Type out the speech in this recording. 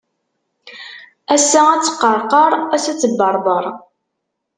Ass ad teqqerqer, ass ad tebbeṛbeṛ.